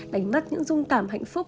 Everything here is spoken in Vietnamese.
đánh mất những dung cảm hạnh phúc